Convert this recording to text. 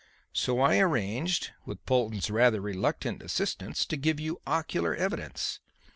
So I arranged, with Polton's rather reluctant assistance, to give you ocular evidence.